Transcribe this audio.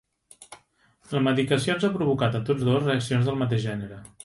La medicació ens ha provocat a tots dos reaccions del mateix gènere.